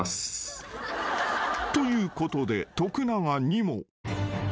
［ということで徳永にも］